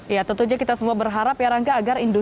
ya tentunya kita semua berharap ya rangga